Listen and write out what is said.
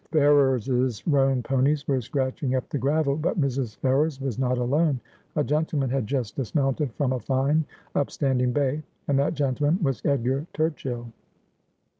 Ferrers's roan ponies were scratching up the gravel ; but Mrs. Ferrers was not alone ; a gentleman had just dismounted from a fine upstanding bay, and that gentleman was Edgar Turchill.